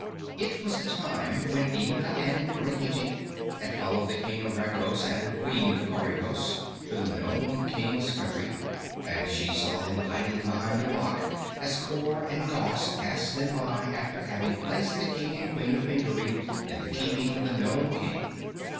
It was the time when Inga and Rinkitink had followed the King of Regos and Queen of Coregos to the Nome King's country and she saw them hiding behind the rock as Cor and Gos passed them by after having placed the King and Queen of Pingaree in the keeping of the Nome King.